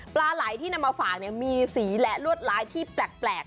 ปลาไหลที่นำมาฝากมีสีและลวดลายที่แปลก